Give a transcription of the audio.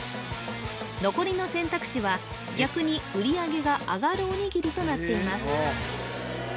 残りの選択肢は逆に売り上げが上がるおにぎりとなっています